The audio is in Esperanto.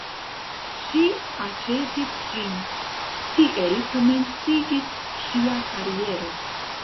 Ŝi aĉetis ĝin, tiel komenciĝis ŝia kariero.